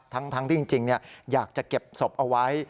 ทั้งที่จริงอยากจะเก็บศพเอาไว้